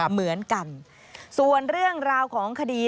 เหมือนกันส่วนเรื่องราวของคดี